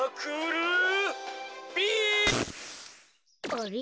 あれ？